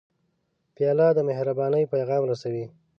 پیاله د مهربانۍ پیغام رسوي.